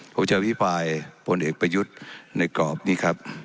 ผมจะอภิปรายพลเอกประยุทธ์ในกรอบนี้ครับ